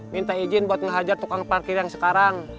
minta izin buat menghajar tukang parkir yang sekarang